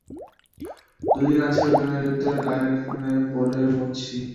দুই দিন আছে অধিনায়কত্বের আর এখানে পড়ে মরছি।